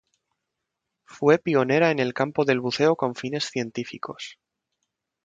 Fue pionera en el campo del buceo con fines científicos.